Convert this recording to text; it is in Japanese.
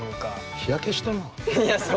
日焼けしたな？